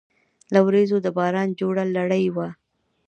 له وریځو د باران جوړه لړۍ وه